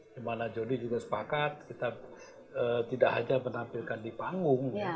dimana jody juga sepakat kita tidak hanya menampilkan di panggung